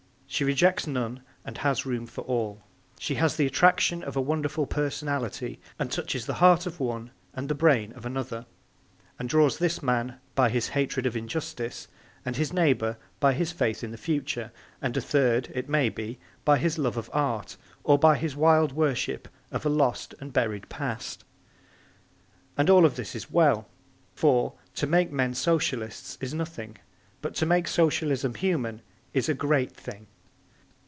She rejects none and has room for all. She has the attraction of a wonderful personality and touches the heart of one and the brain of another, and draws this man by his hatred of injustice, and his neighbour by his faith in the future, and a third, it may be, by his love of art or by his wild worship of a lost and buried past. And all of this is well. For, to make men Socialists is nothing, but to make Socialism human is a great thing.